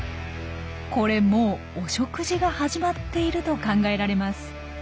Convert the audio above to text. これもうお食事が始まっていると考えられます。